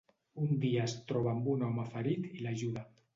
Un dia es troba amb un home ferit i l'ajuda.